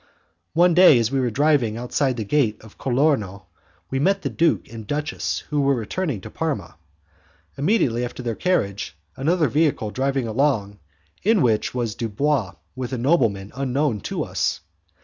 One day as we were driving outside the Gate of Colorno, we met the duke and duchess who were returning to Parma. Immediately after their carriage another vehicle drove along, in which was Dubois with a nobleman unknown to us.